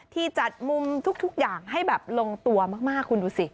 ที่จัดมุมทุกอย่างให้แบบลงตัวมากคุณดูสิ